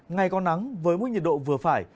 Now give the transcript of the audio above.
ngày có nắng với mức nhiệt độ vừa phải